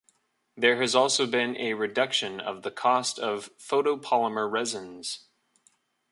There has also been a reduction of the cost of photopolymer resins.